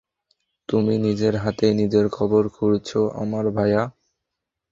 তুমি নিজের হাতেই নিজের কবর খুঁড়ছো, আমার ভায়া।